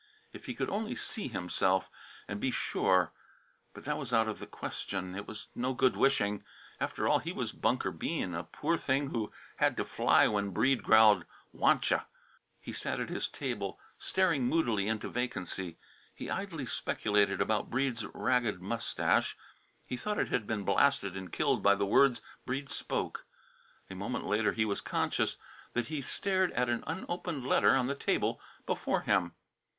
If he could only see himself, and be sure. But that was out of the question. It was no good wishing. After all, he was Bunker Bean, a poor thing who had to fly when Breede growled "Wantcha." He sat at his table, staring moodily into vacancy. He idly speculated about Breede's ragged moustache; he thought it had been blasted and killed by the words Breede spoke. A moment later he was conscious that he stared at an unopened letter on the table before him.